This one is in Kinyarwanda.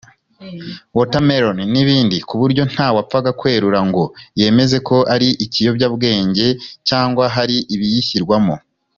Watermelon n’ibindi ku buryo nta wapfaga kwerura ngo yemeze ko ari ikiyobyabwenge cyangwa hari ibiyishyirwamo